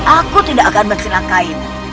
aku tidak akan mencelakainya